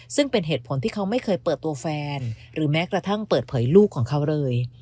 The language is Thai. ซึ่งเป็นเหตุผลที่เขาไม่เคยเปิดตัวแฟนหรือแม้กระทั่งเปิดเผยลูกของเขาเลย